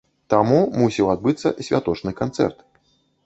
Там мусіў адбыцца святочны канцэрт.